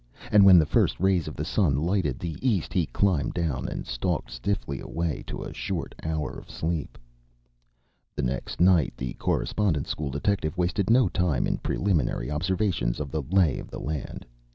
And when the first rays of the sun lighted the east he climbed down and stalked stiffly away to a short hour of sleep. The next night the Correspondence School detective wasted no time in preliminary observations of the lay of the land.